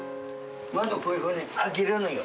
窓をこういうふうに開けるのよ。